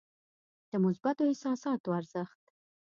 د مثبتو احساساتو ارزښت.